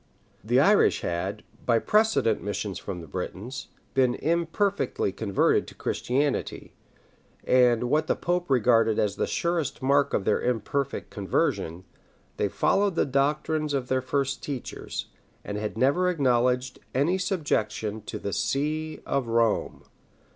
The Irish had, by precedent missions from the Britons, been imperfectly converted to Christianity; and, what the pope regarded as the surest mark of their imperfect conversion, they followed the doctrines of their first teachers, and had never acknowledged any subjection to the see of Rome.